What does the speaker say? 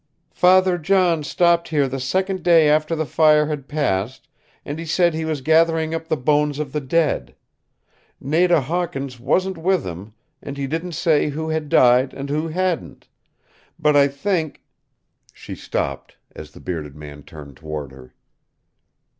"Father John stopped here the second day after the fire had passed, and he said he was gathering up the bones of the dead. Nada Hawkins wasn't with him, and he didn't say who had died and who hadn't. But I think " She stopped as the bearded man turned toward her.